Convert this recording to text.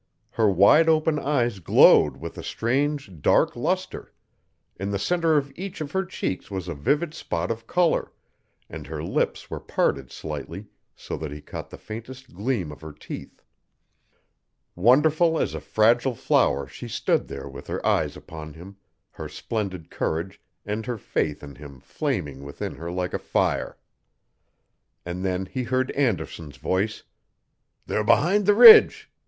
Her wide open eyes glowed with a strange, dark luster; in the center of each of her cheeks was a vivid spot of color, and her lips were parted slightly, so that he caught the faintest gleam of her teeth. Wonderful as a fragile flower she stood there with her eyes upon him, her splendid courage and her faith in him flaming within her like a fire. And then he heard Anderson's voice: "They're behind the ridge.